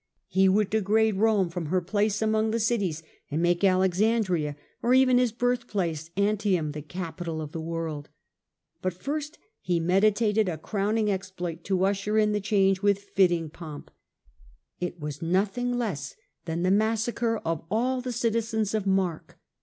He would degrade Rome from her place among the cities and make Alex drearna of andria, or even his birthplace, Antium, the massacre. capital of the world. But first he medita ted a crowning exploit to usher in the change with fit ting pomp. It was nothing less than the massacre of all the citizens of mark.